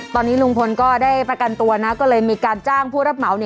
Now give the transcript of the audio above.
ตอนนี้ลุงพลก็ได้ประกันตัวนะก็เลยมีการจ้างผู้รับเหมา